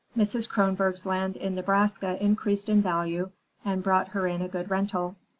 Mrs. Kronborg's land in Nebraska increased in value and brought her in a good rental.